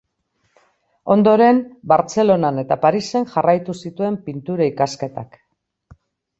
Ondoren, Bartzelonan eta Parisen jarraitu zituen pintura ikasketak.